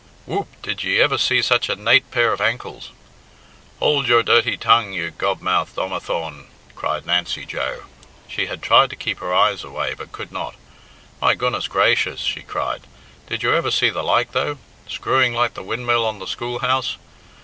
Whoop, did ye ever see such a nate pair of ankles?" "Hould your dirty tongue, you gobmouthed omathaun!" cried Nancy Joe. She had tried to keep her eyes away, but could not. "My goodness grayshers!" she cried. "Did you ever see the like, though? Screwing like the windmill on the schoolhouse!